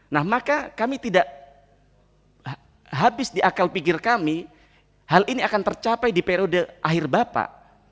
nah maka kami tidak habis di akal pikir kami hal ini akan tercapai di periode akhir bapak